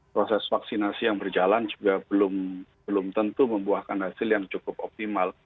proses vaksinasi yang berjalan juga belum tentu membuahkan hasil yang cukup optimal